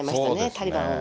タリバンを。